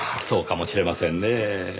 そうかもしれませんねぇ。